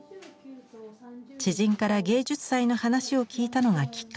知人から芸術祭の話を聞いたのがきっかけでした。